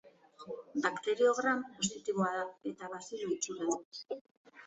Bakterio Gram positiboa da eta bazilo itxura du.